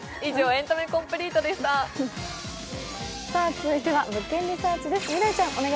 続いては「物件リサーチ」です。